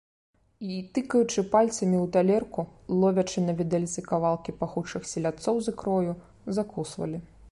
І, тыкаючы пальцамі ў талерку, ловячы на відэльцы кавалкі пахучых селядцоў з ікрою, закусвалі.